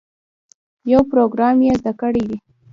یو پروګرام یې زده کړی وي.